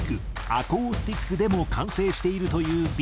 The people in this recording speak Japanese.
アコースティックでも完成しているというＢ